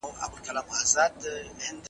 لمر هېڅکله دغې تیاره خونې ته نه ننوځي.